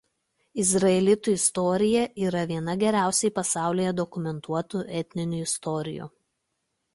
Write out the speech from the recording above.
Izraelitų istorija yra viena geriausiai pasaulyje dokumentuotų etninių istorijų.